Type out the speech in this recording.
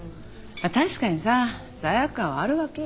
確かにさ罪悪感はあるわけよ。